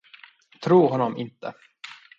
Tro honom inte!